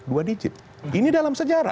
dua digit ini dalam sejarah